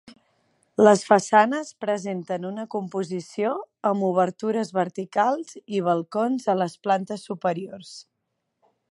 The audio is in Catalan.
Les façanes presenten una composició amb obertures verticals i balcons a les plantes superiors.